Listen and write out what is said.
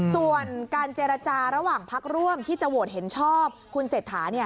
ส่วนการเจรจาระหว่างพักร่วมที่จะโหวตเห็นชอบคุณเศรษฐา